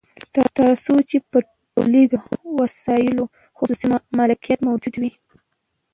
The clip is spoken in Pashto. تر څو چې په تولیدي وسایلو خصوصي مالکیت موجود وي